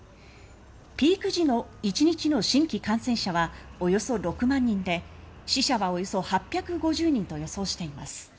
ピーク時の１日の新規感染者はおよそ６万人で死者はおよそ８５０人と予想しています。